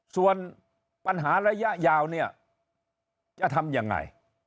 ส่วนปัญหาระยะยาวเนี่ยจะทำยังไง